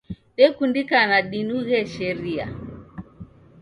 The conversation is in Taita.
Dekundikana dinughe sharia